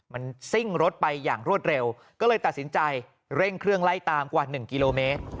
มันซิ่งรถไปอย่างรวดเร็วก็เลยตัดสินใจเร่งเครื่องไล่ตามกว่า๑กิโลเมตร